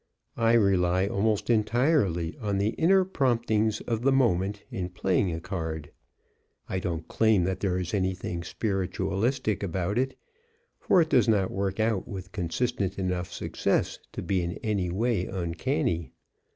I rely almost entirely on the inner promptings of the moment in playing a card. I don't claim that there is anything spiritualistic about it, for it does not work out with consistent enough success to be in any way uncanny.